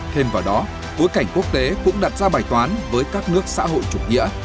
thêm vào đó bối cảnh quốc tế cũng đặt ra bài toán với các nước xã hội chủ nghĩa